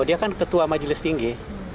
dia kan ketua majelis tinggi